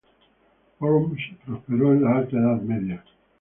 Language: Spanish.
Worms prosperó en la Alta Edad Media.